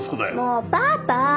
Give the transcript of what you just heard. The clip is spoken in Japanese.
もうパパ！